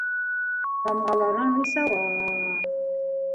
Тамғаларың нисауа...